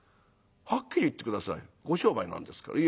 「はっきり言って下さいご商売なんですから」。